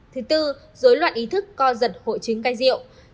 thứ bốn dối loạn ý thức co giật hội chứng cây rượu